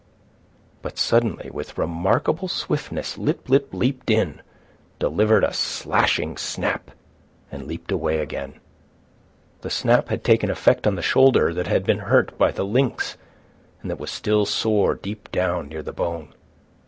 But suddenly, with remarkable swiftness, Lip lip leaped in, delivering a slashing snap, and leaped away again. The snap had taken effect on the shoulder that had been hurt by the lynx and that was still sore deep down near the bone.